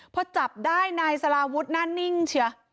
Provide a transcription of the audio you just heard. พอจับได้นายสลาวุฒิหน้านิ่งเชีย